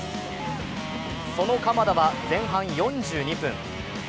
その鎌田は前半４２分。